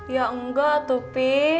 ya enggak tuh pi